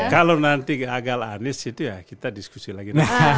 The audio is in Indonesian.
kalau nanti gagal anies itu ya kita diskusi lagi